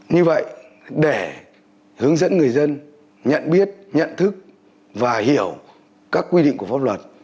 như vậy để hướng dẫn người dân nhận biết nhận thức và hiểu các quy định của pháp luật